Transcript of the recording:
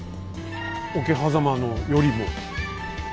桶狭間のよりも？